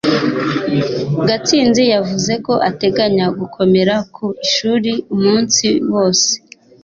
gatsinzi yavuze ko ateganya gukomera ku ishuri umunsi wose